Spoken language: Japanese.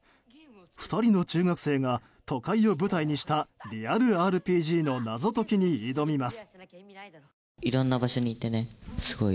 ２人の中学生が都会を舞台にしたリアルＲＰＧの謎解きに挑みます。